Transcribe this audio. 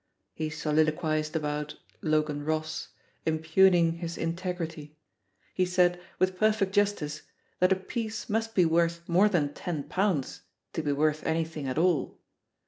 He solilo quised about Logan Ross, impugning his integ rity; he said, with perfect justice, that a piece must be worth more than ten pounds to be worth anything at all.